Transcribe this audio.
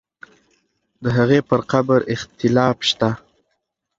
د هغې پر قبر اختلاف شته.